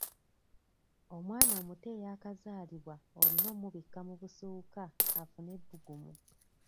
Omwana omuto eyakazaalibwa olina omubikka mu busuuka afune ebbugumu.